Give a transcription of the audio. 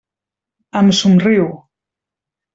Em somriu.